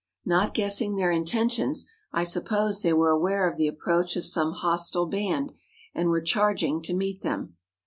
Not guess¬ ing their intentions, I supposed they were aware of the approach of some hostile band, and were charg¬ ing to meet them.